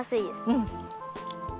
うん。